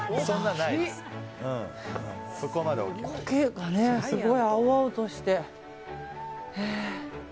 こけがすごい青々として。